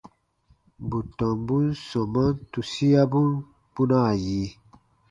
Bù tɔmbun sɔmaan tusiabun kpunaa yi.